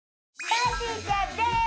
ぱーてぃーちゃんです